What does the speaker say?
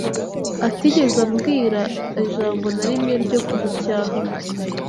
atigeze abwira ijambo na rimwe ryo kumucyaha.